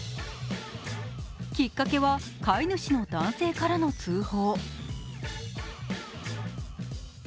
きっかけは飼い主の男性からの通報。